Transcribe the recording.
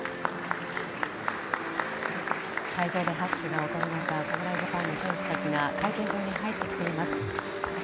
会場も拍手が起こる中侍ジャパンの選手たちが会見場に入ってきています。